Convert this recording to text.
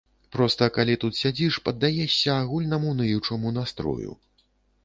Проста калі тут сядзіш, паддаешся агульнаму ныючаму настрою.